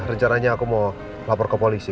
rencananya aku mau lapor ke polisi